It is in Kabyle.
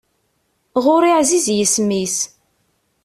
Ɣur-i ɛziz yisem-is.